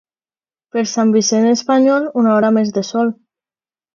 Per Sant Vicenç espanyol, una hora més de sol.